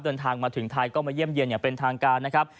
เดินทางมาถึงไทยก็มาเยี่ยมเยี่ยมอย่างเป็นทางการนะครับ